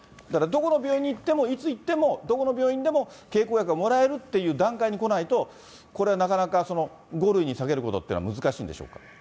だからどこの病院に行っても、いつ行っても、どこの病院でも経口薬がもらえるっていう段階に来ないと、これはなかなか、５類に下げることっていうのは難しいんでしょうか。